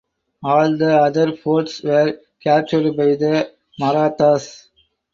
All the other forts were captured by the Marathas.